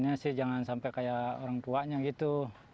sebenarnya sih jangan sampai kayak orang tuanya gitu